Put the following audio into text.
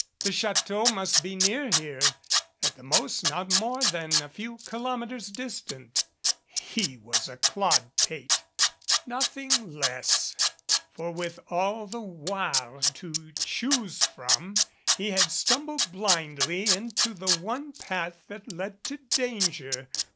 The chateau must be near here, at the most not more than a few kilometers distant. He was a clod pate, noth ing less. For with all the Oire to choose from he had stumbled blindly into the one path that led to danger.